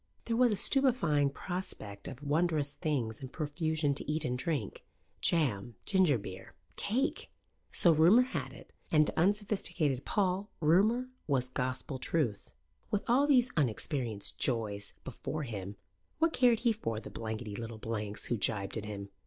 There was a stupefying prospect of wondrous things in profusion to eat and drink jam, ginger beer, cake! So rumour had it; and to unsophisticated Paul rumour was gospel truth. With all these unexperienced joys before him, what cared he for the blankety little blanks who gibed at him?